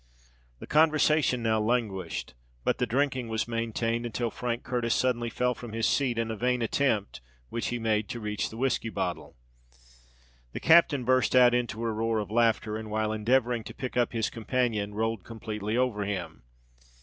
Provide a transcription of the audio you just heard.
The conversation now languished; but the drinking was maintained, until Frank Curtis suddenly fell from his seat in a vain attempt which he made to reach the whiskey bottle. The captain burst out into a roar of laughter, and while endeavouring to pick up his companion, rolled completely over him.